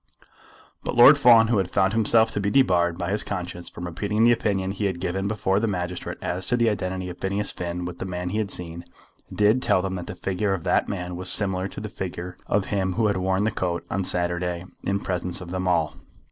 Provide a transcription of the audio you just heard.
But Lord Fawn, who had found himself to be debarred by his conscience from repeating the opinion he had given before the magistrate as to the identity of Phineas Finn with the man he had seen, did tell them that the figure of that man was similar to the figure of him who had worn the coat on Saturday in presence of them all.